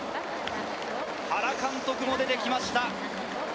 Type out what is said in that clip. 原監督も出てきました。